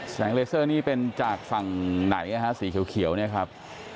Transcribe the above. แสงเลเซอร์นี่เป็นจากฝั่งไหนสีเขียวเนี่ยครับ